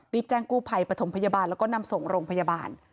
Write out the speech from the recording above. แจ้งกู้ภัยปฐมพยาบาลแล้วก็นำส่งโรงพยาบาล